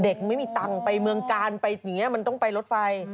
ไม่มีตังค์ไปเมืองกาลไปอย่างนี้มันต้องไปรถไฟ